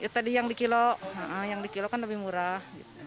tadi yang di kilo yang di kilo kan lebih murah